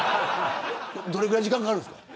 どれぐらい時間かかるんですか。